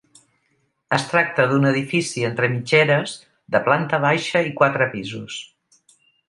Es tracta d'un edifici entre mitgeres, de planta baixa i quatre pisos.